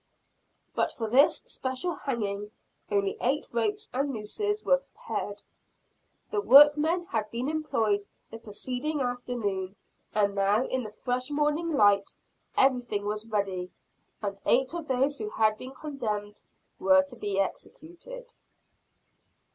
But for this special hanging, only eight ropes and nooses were prepared. The workmen had been employed the preceding afternoon; and now in the fresh morning light, everything was ready; and eight of those who had been condemned were to be executed.